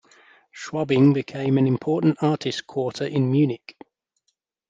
Schwabing became an important artists' quarter in Munich.